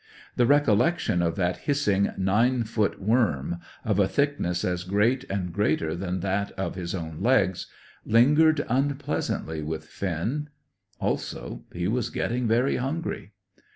The recollection of that hissing nine foot worm, of a thickness as great and greater than that of his own legs, lingered unpleasantly with Finn. Also, he was getting very hungry.